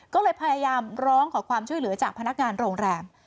ก็เลยพยายามร้องขอความช่วยเหลือจากพนักงานโรงแรม